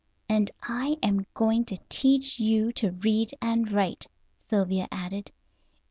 "And I am going to teach you to read and write," Sylvia added.